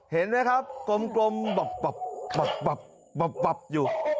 เห็นไหมครับกลมบับอยู่